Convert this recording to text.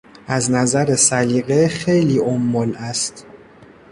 از نظر سلیقه خیلی امل است.